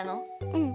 うん！